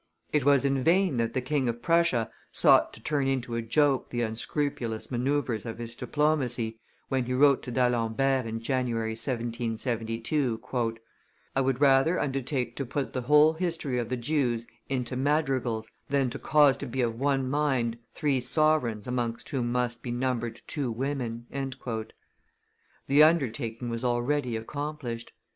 It was in vain that the King of Prussia sought to turn into a joke the unscrupulous manoeuvres of his diplomacy when he wrote to D'Alembert in January, 1772, "I would rather undertake to put the whole history of the Jews into madrigals than to cause to be of one mind three sovereigns amongst whom must be numbered two women." The undertaking was already accomplished.